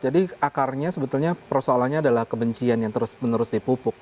jadi akarnya sebetulnya persoalannya adalah kebencian yang terus menerus dipupuk